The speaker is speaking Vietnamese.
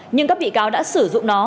nhưng các bị cáo đã sử dụng nó